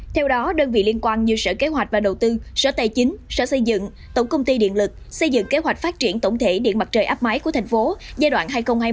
theo đó đơn vị liên quan như sở kế hoạch và đầu tư sở tài chính sở xây dựng tổng công ty điện lực xây dựng kế hoạch phát triển tổng thể điện mặt trời áp máy của thành phố giai đoạn hai nghìn một mươi chín hai nghìn hai mươi năm